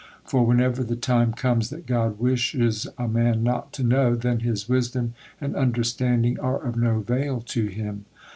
For whenever the time comes that God wished a man not to know, then his wisdom and understanding are of no avail to him."